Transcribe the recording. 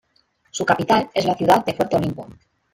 Su capital es la ciudad de Fuerte Olimpo.